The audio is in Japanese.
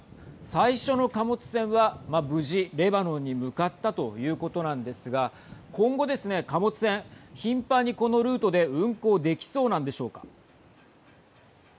最初の貨物船は無事、レバノンに向かったということなんですが今後ですね、貨物船頻繁に、このルートで運航できそうなんでしょうか。